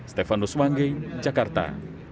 stefanus wangge jakarta